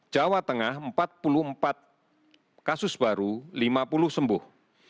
jawa tengah empat puluh empat kasus baru lima puluh sembuh